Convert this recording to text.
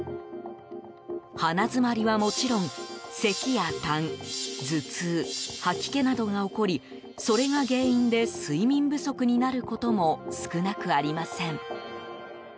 鼻づまりはもちろんせきやたん、頭痛吐き気などが起こりそれが原因で睡眠不足になることも少なくありません。